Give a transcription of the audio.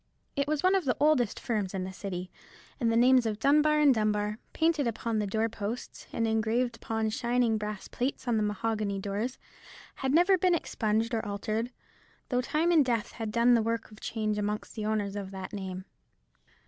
It was one of the oldest firms in the City; and the names of Dunbar and Dunbar, painted upon the door posts, and engraved upon shining brass plates on the mahogany doors, had never been expunged or altered: though time and death had done their work of change amongst the owners of that name.